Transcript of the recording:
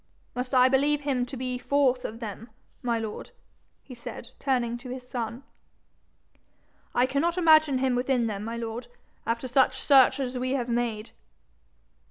Must I believe him to be forth of them, my lord?' he said, turning to his son. 'I cannot imagine him within them, my lord, after such search as we have made.'